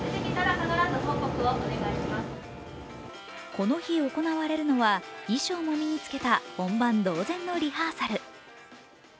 この日、行われるのは衣装も身につけた本番同然のリハーサル。